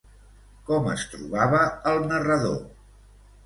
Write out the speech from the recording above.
Com es trobava el narrador?